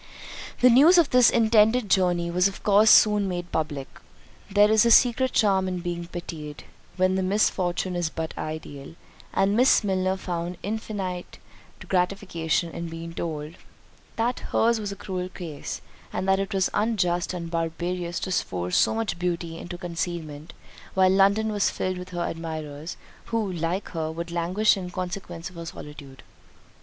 The news of this intended journey was of course soon made public. There is a secret charm in being pitied, when the misfortune is but ideal; and Miss Milner found infinite gratification in being told, "That her's was a cruel case, and that it was unjust and barbarous to force so much beauty into concealment while London was filled with her admirers; who, like her, would languish in consequence of her solitude."